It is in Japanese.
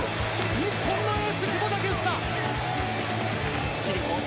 日本のエース・久保建英。